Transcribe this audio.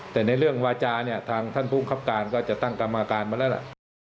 แต่ในเรื่องวาจาเนี่ยทางท่านภูมิครับการก็จะตั้งกรรมการมาแล้วล่ะ